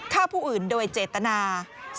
ฆ่าผู้อื่นโดยเจตนา